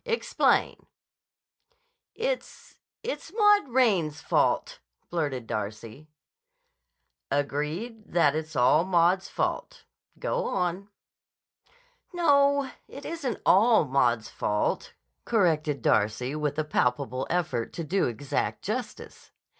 Explain." "It's—it's Maud Raines's fault," blurted Darcy. "Agreed that it's all Maud's fault. Go on." "No; it isn't all Maud's fault," corrected Darcy with a palpable effort to do exact justice.